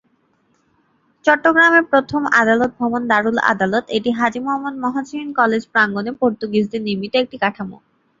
চট্টগ্রামের প্রথম আদালত ভবন "দারুল আদালত," এটি হাজী মোহাম্মদ মহসিন কলেজ প্রাঙ্গণে পর্তুগিজদের নির্মিত একটি কাঠামো।